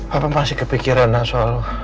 papa masih kepikiran nak soal